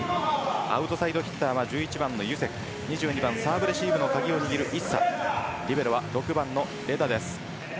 アウトサイドヒッターは１１番のユセフ２２番はサーブレシーブの鍵を握るイッサリベロは６番のレダです。